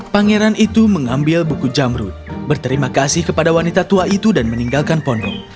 pangeran itu mengambil buku jamrut berterima kasih kepada wanita tua itu dan meninggalkan pondok